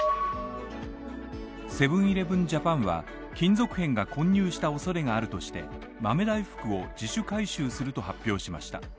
セブン−イレブン・ジャパンは、金属片が混入したおそれがあるとして豆大福を自主回収すると発表しました。